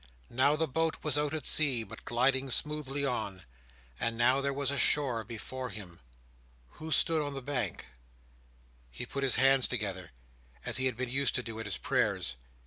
Now the boat was out at sea, but gliding smoothly on. And now there was a shore before him. Who stood on the bank?— He put his hands together, as he had been used to do at his prayers.